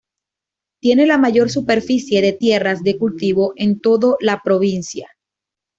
Tiene la mayor superficie de tierras de cultivo en todo la provincia.